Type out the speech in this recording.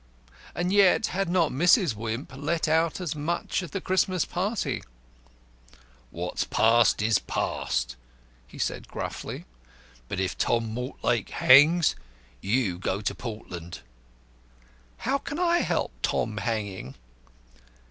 And yet, had not Mrs. Wimp let out as much at the Christmas dinner? "What's past is past," he said gruffly. "But if Tom Mortlake hangs, you go to Portland." "How can I help Tom hanging?"